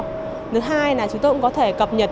thứ hai là chúng tôi cũng có thể cập nhật